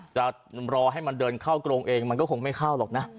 จะรอให้มันเดินเข้ากรงเองมันก็คงไม่เข้าหรอกนะ